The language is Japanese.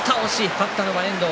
勝ったのは遠藤。